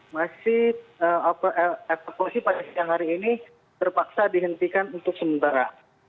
masih evakuasi pada siang hari ini terpaksa dihentikan untuk sementara